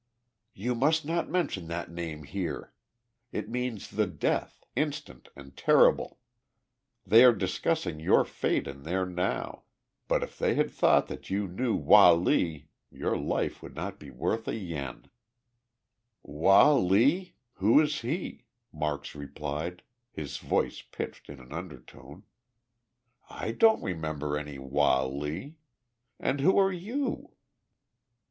"You must not mention that name here. It means the death, instant and terrible! They are discussing your fate in there now, but if they had thought that you knew Wah Lee your life would not be worth a yen." "Wah Lee? Who is he?" Marks replied, his voice pitched in an undertone. "I don't remember any Wah Lee. And who are you?"